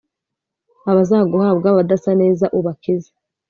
abazaguhabwa badasa neza, ubakize